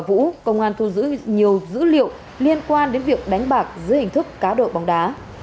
vũ công an thu giữ nhiều dữ liệu liên quan đến việc đánh bạc dưới hình thức cá độ bóng đá